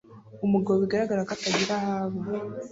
Umugabo bigaragara ko atagira aho aba